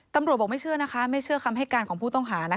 ถ้าไม่เชื่อคำให้การของผู้ต้องหา